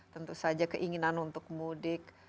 tentu saja keinginan untuk mudik